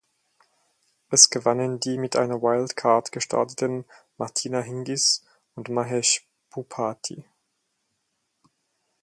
Es gewannen die mit einer Wildcard gestarteten Martina Hingis und Mahesh Bhupathi.